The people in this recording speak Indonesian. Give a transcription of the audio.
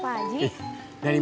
masak siang makan siang